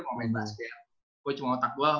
mau main basket gue cuma otak gol